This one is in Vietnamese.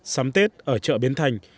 sắm tết ở chợ biến thành